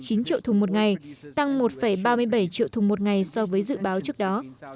tăng một mươi sáu bốn mươi chín triệu thùng một ngày tăng một ba mươi bảy triệu thùng một ngày so với dự báo trước đó